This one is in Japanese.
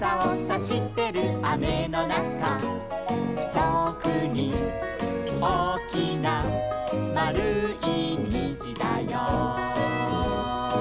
「とおくにおおきなまるいにじだよ」